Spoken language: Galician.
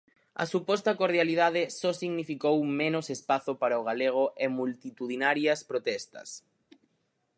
A suposta cordialidade só significou menos espazo para o galego e multitudinarias protestas.